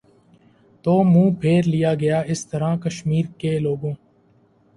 تو منہ پھیر لیا گیا اس طرح کشمیر کے لوگوں